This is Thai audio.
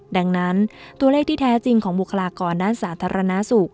ดังนั้นตัวเลขที่แท้จริงของบุคลากรด้านสาธารณสุข